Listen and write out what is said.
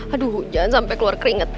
aduh hujan sampai keluar keringet